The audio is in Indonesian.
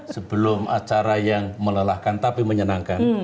sebelum acara yang melelahkan tapi menyenangkan